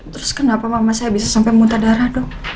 terus kenapa mama saya bisa sampai muntah darah dok